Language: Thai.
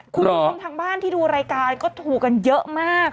คุณผู้ชมทางบ้านที่ดูรายการก็ถูกกันเยอะมาก